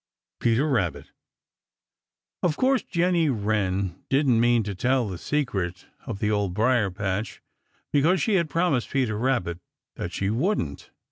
Peter Rabbit. Of course Jenny Wren didn't mean to tell the secret of the Old Briar patch, because she had promised Peter Rabbit that she wouldn't.